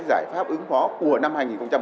giải pháp ứng phó của năm hai nghìn một mươi tám